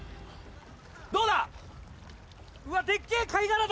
どうだ！？